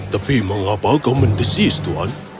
tapi mengapa kau mendesis tuan